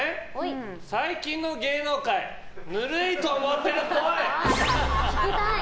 最近の芸能界ヌルいと思ってるっぽい。